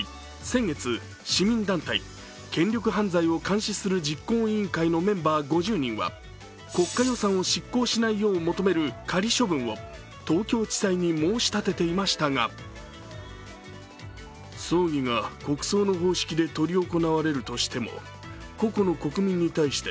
先月、市民団体権力犯罪を監視する実行委員会のメンバー５０人は国家予算を執行しないよう求める仮処分を東京地裁に申し立てていましたがなどとし仮処分を却下したといいます。